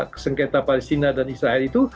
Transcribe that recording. kesengketa palestina dan israel itu